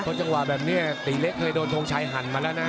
จังหวะแบบนี้ตีเล็กเคยโดนทงชัยหั่นมาแล้วนะ